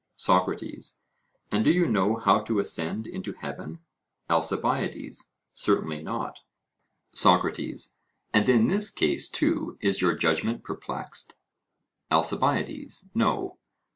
SOCRATES: And do you know how to ascend into heaven? ALCIBIADES: Certainly not. SOCRATES: And in this case, too, is your judgment perplexed? ALCIBIADES: No.